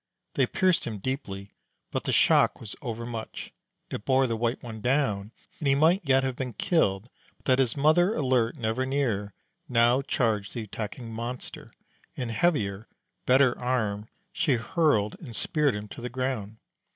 They pierced him deeply, but the shock was overmuch; it bore the White One down, and he might yet have been killed but that his mother, alert and ever near, now charged the attacking monster, and heavier, better armed, she hurled and speared him to the ground.